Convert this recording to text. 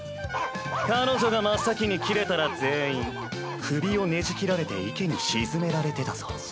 ⁉彼女が真っ先にキレたら全員首をねじ切られて池に沈められてたぞ。